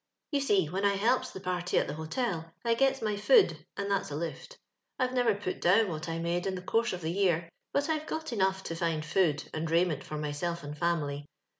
You see, when I helps the party at tbe hotel, I gets my food, and that's a lift. I've never put down what I made in the course of the year, but I've got enough to find food and rai ment for myself and family.